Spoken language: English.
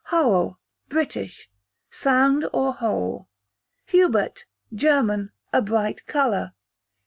Howel, British, sound or whole. Hubert, German, a bright colour.